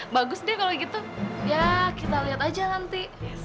bagus deh kalo gitu ya kita liat aja nanti